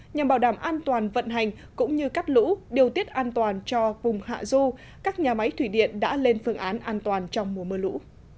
nhằm bảo đảm an toàn vận hành cũng như cắt lũ điều tiết an toàn cho vùng hạ du các nhà máy thủy điện đã lên phương án an toàn trong mùa mưa lũ